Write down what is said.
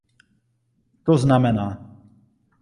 To znamená.